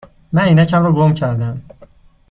من عینکم را گم کرده ام.